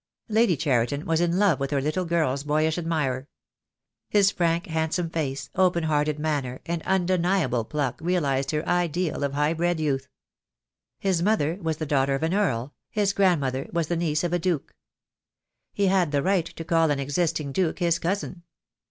Lady Cheriton was in love with her little girl's boyish admirer. His frank, handsome face, open hearted manner, and undeniable pluck realised her ideal of high bred youth. His mother was the daughter of an earl, his grandmother was the niece of a duke. He had the right to call an existing duke his cousin.